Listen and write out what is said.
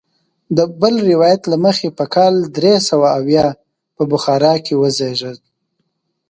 د بل روایت له مخې په کال درې سوه اویا په بخارا کې وزیږېد.